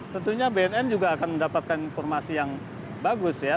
tentunya bnn juga akan mendapatkan informasi yang bagus ya